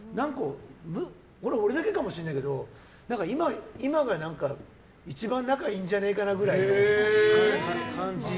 これは俺だけかもしれないけど今が一番仲がいいんじゃないかなぐらいの感じ。